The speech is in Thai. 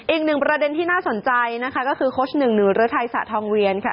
อีก๑ประเด็นที่น่าสนใจนะคะก็คือโคชนึงหนูเรือไทยสะทองเวียนค่ะ